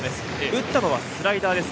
打ったのはスライダーです。